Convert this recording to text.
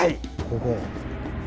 ここ。